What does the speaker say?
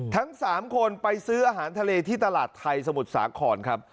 ทั้ง๓คนไปซื้ออาหารทะเลที่ตลาดไทยสมุทรสาครครับ